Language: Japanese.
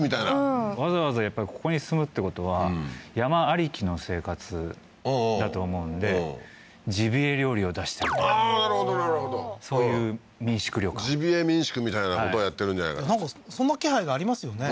うんわざわざやっぱりここに住むってことは山ありきの生活だと思うんでジビエ料理を出してるああーなるほどなるほどそういう民宿旅館ジビエ民宿みたいなことをやってるんじゃないかなんかそんな気配がありますよね